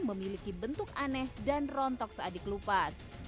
memiliki bentuk aneh dan rontok seadik lupas